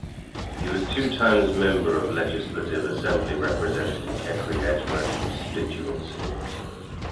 He was two times member of legislative assembly represented Kekri (Ajmer) constituency.